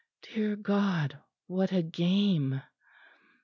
Dear God, what a game!